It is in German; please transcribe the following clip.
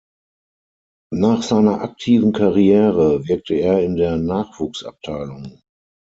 Nach seiner aktiven Karriere wirkte er in der Nachwuchsabteilung.